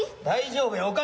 大丈夫や。